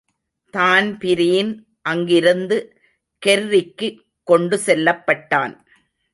Dan Breen அங்கிருந்து கெர்ரிக்குக் கொண்டுசெல்லப்பட்டான்.